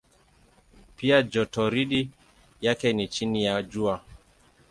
Pia jotoridi yake ni chini ya Jua.